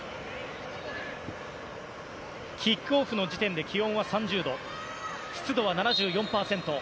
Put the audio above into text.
キックオフの時点で気温は３０度湿度は７４％。